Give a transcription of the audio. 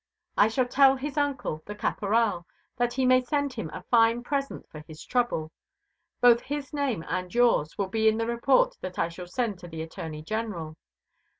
I shall tell his uncle, the Caporal, that he may send him a fine present for his trouble. Both his name and yours will be in the report that I shall send to the Attorney general."